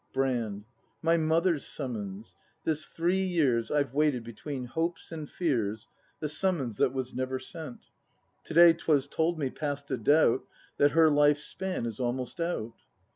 Brand. My Mother's summons. This three years I've waited between hopes and fears The summons that was never sent. To day 'twas told me, past a doubt, That her life's span is almost out.